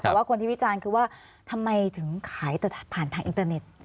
แต่ว่าคนที่วิจารณ์คือว่าทำไมถึงขายผ่านทางอินเตอร์เน็ต